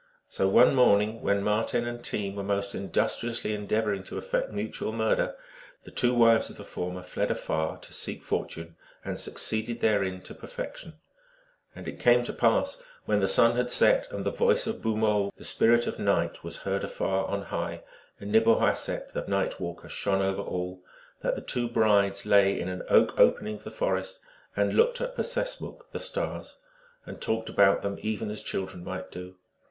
So one morning, when Marten and Team were most industriously endeavoring to effect mutual murder, the two wives of the former fled afar to seek fortune, and succeeded therein to perfection. And it came to pass when the sun had set and the voice of THE MERRY TALES OF LOX. 145 Bumole, the Spirit of Night, was heard afar on high, and Nibauehset (P.)? tne Night Walker, shone over all, that the two brides lay in an oak opening of the forest, and looked at P ses muk, the Stars, and talked about them even as children might do.